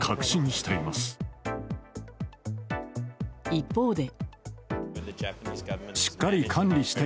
一方で。